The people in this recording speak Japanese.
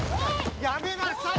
やめなさい！